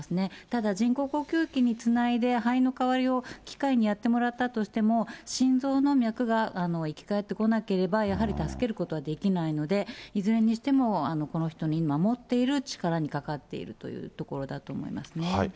ただ人工呼吸器につないで、肺の代わりを機械にやってもらったとしても、心臓の脈が生き返ってこなければ、やはり助けることはできないので、いずれにしても、この人の持っている力にかかっているというところだと思いますね。